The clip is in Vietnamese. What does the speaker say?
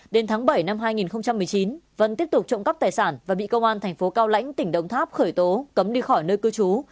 đến tháng bảy năm hai nghìn một mươi chín vân tiếp tục trộm cắp tài sản và bị công an thành phố cao lãnh tỉnh đồng tháp khởi tố cấm đi khỏi nơi cư trú